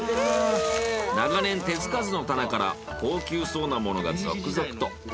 長年手付かずの棚から高級そうなものが続々と。